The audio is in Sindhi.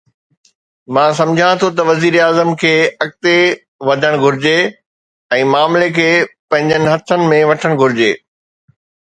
مان سمجهان ٿو ته وزير اعظم کي اڳتي وڌڻ گهرجي ۽ معاملي کي پنهنجي هٿن ۾ وٺڻ گهرجي.